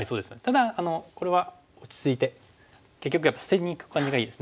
ただこれは落ち着いて結局やっぱり捨てにいく感じがいいですね。